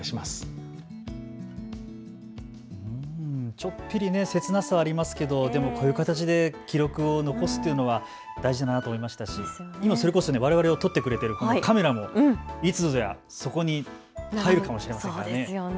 ちょっぴり切なさありますけれども、こういう形で記録を残すというのは大事だなと思いましたしわれわれを撮ってくれているカメラもいつの日かそこに入るかもしれませんね。